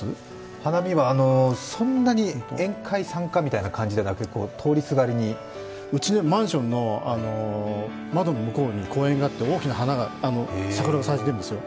花見は、そんなに宴会参加みたいな感じでは通りすがりにうちね、マンションの窓の向こうに公園があって大きな桜が咲いているんですよ。